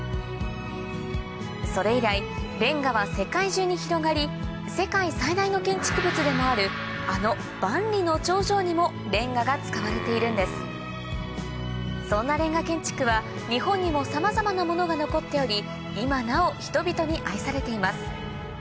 それ以来れんがは世界中に広がり世界最大の建築物でもあるあの万里の長城にもれんがが使われているんですそんなれんが建築は日本にもさまざまなものが残っており今なお人々に愛されています